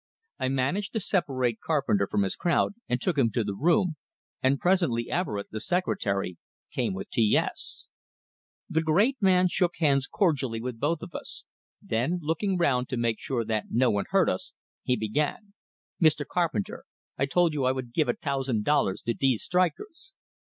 I managed to separate Carpenter from his crowd and took him to the room, and presently Everett, the secretary, came with T S. The great man shook hands cordially with both of us; then, looking round to make sure that no one heard us, he began: "Mr. Carpenter, I told you I vould give a tousand dollars to dese strikers."